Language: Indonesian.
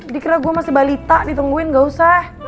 dikira gue masih balita ditungguin gausah